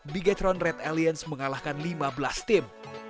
bigethron red aliens mengalahkan lima belas tim